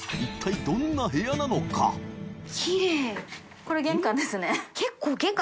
これ玄関ですね。